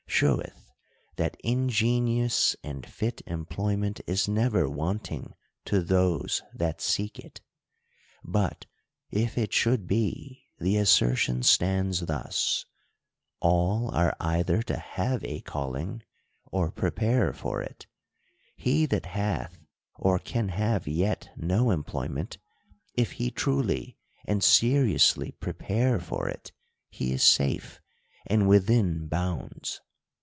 70 THE COUNTRY PARSON. sheweth, that ingenuous and fit employment is never wanting to thos.e that seek it. But, if it should be, the assertion stands thus :— All are either to have a calling, or prepare for it : he that hath or can have yet no employment, if he truly and seriously prepare for it, he is safe, and within bounds.